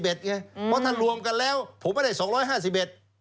เพราะถ้ารวมกันแล้วผมไม่ได้๒๕๑